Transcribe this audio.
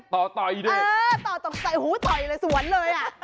ต่อต่อยด้วยต่อตกใจหูต่อยเลยสวนเลย